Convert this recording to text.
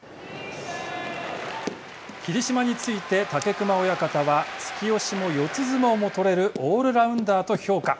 霧島について武隈親方は突き押しも四つ相撲も取れるオールラウンダーと評価。